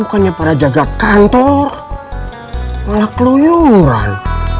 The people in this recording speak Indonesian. bukannya para jaga kantor malah keluyuran